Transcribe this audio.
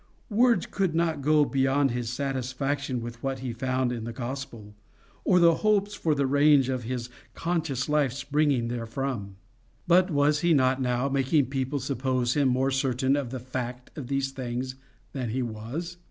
Words could not go beyond his satisfaction with what he found in the gospel, or the hopes for the range of his conscious life springing therefrom; but was he not now making people suppose him more certain of the FACT of these things than he was?